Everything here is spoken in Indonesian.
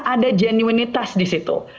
ada genuinitas di situ